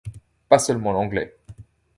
Pas seulement l'Anglais.